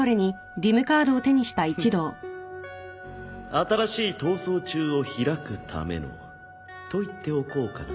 新しい逃走中を開くためのと言っておこうかな？